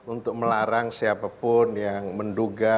untuk melarang siapapun yang menduga